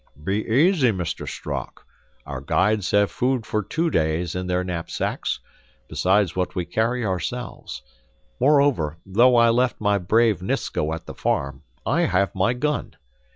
"Be easy, Mr. Strock; our guides have food for two days in their knapsacks, besides what we carry ourselves. Moreover, though I left my brave Nisko at the farm, I have my gun.